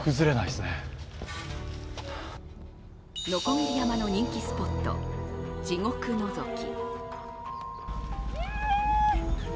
鋸山の人気スポット、地獄のぞき。